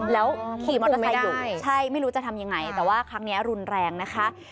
แล้วขี่มอเตอร์ไซค์อยู่ใช่ไม่รู้จะทำยังไงแต่ว่าครั้งนี้รุนแรงนะคะ